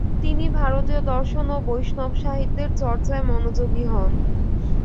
তিনি ভারতীয় দর্শন ও বৈষ্ণব ও সাহিত্যের চর্চায় মনোযোগী হন।